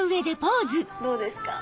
どうですか？